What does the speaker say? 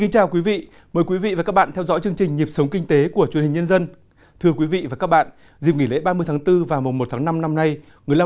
chào mừng quý vị đến với bộ phim hãy nhớ like share và đăng ký kênh của chúng mình nhé